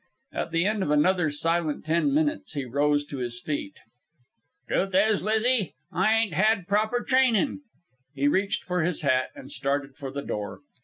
At the end of another silent ten minutes, he rose to his feet. "Truth is, Lizzie, I ain't had proper trainin'." He reached for his hat and started for the door.